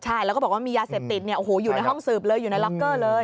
ใช่แล้วก็บอกว่ามียาเสพติดอยู่ในห้องสืบเลยอยู่ในล็อกเกอร์เลย